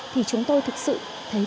thì chúng tôi thực sự không có lý thuyết